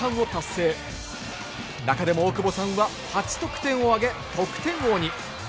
中でも大久保さんは８得点を挙げ得点王に。